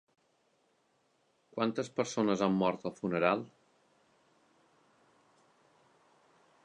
Quantes persones han mort al funeral?